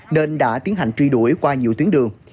nên đã tiến hành truy đuổi qua nhiều tuyến đường